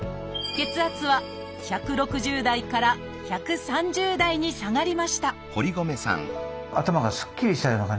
血圧は１６０台から１３０台に下がりました